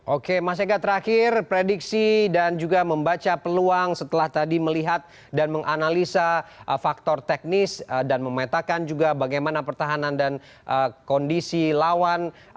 oke mas eka terakhir prediksi dan juga membaca peluang setelah tadi melihat dan menganalisa faktor teknis dan memetakan juga bagaimana pertahanan dan kondisi lawan